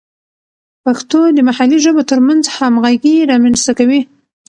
پښتو د محلي ژبو ترمنځ همغږي رامینځته کوي.